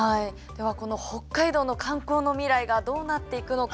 ではこの北海道の観光の未来がどうなっていくのか。